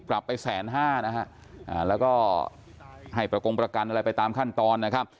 และก็ให้ประกงประกันอะไรไปตามขั้นตอนนะครับ